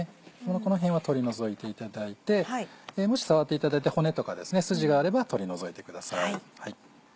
この辺は取り除いていただいてもし触っていただいて骨とか筋があれば取り除いてください。